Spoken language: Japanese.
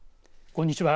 こんにちは。